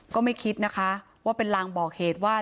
ก็ไม่คิดนะคะว่าเป็นลางบอกเหตุว่า